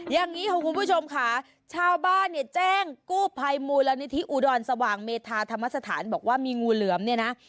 อย่างนี้ค่ะคุณผู้ชมค่ะชาวบ้านเนี่ยแจ้งกู้ภัยมูลนิธิอุดรสว่างเมธาธรรมสถานบอกว่ามีงูเหลือมเนี่ยนะ